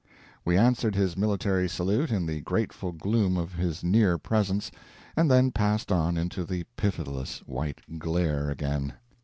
We answered his military salute in the grateful gloom of his near presence, and then passed on into the pitiless white glare again.